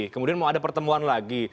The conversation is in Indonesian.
kemudian mau ada pertemuan lagi